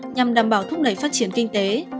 nhằm đảm bảo thúc đẩy phát triển kinh tế